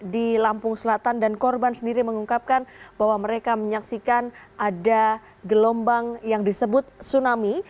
di lampung selatan dan korban sendiri mengungkapkan bahwa mereka menyaksikan ada gelombang yang disebut tsunami